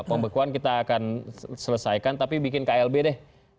pembekuan kita akan selesaikan tapi bikin klb deh